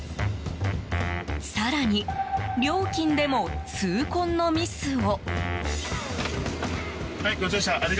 更に、料金でも痛恨のミスを。